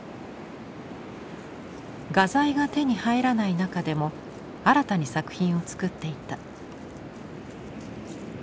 画材が手に入らない中でも新たに作品を作っていた。